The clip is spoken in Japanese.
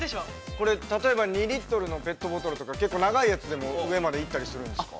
◆これ、例えば２リットルのペットボトルとか、結構長いやつでも上まで行ったりするんですか。